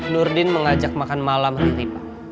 nurdin mengajak makan malam ri